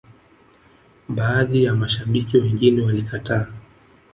baadhi ya mashabiki wengine walikataa